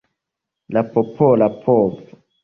La popola povo.